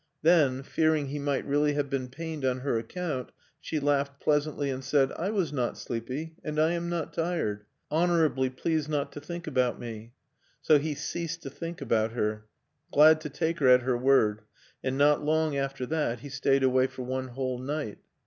Then, fearing he might really have been pained on her account, she laughed pleasantly, and said: "I was not sleepy, and I am not tired; honorably please not to think about me." So he ceased to think about her, glad to take her at her word; and not long after that he stayed away for one whole night.